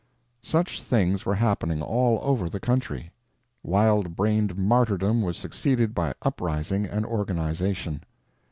Such things were happening all over the country. Wild brained martyrdom was succeeded by uprising and organization.